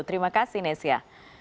terima kasih nesya